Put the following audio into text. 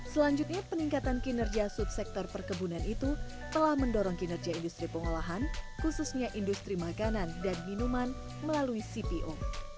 selanjutnya peningkatan kinerja subsektor perkebunan itu telah mendorong kinerja industri pengolahan khususnya industri makanan dan minuman melalui cpo